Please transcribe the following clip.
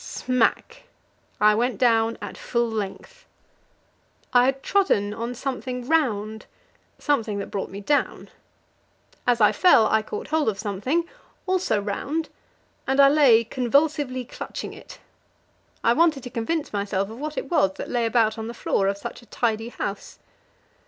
Smack! I went down at full length. I had trodden on something round something that brought me down. As I fell, I caught hold of something also round and I lay convulsively clutching it. I wanted to convince myself of what it was that lay about on the floor of such a tidy house.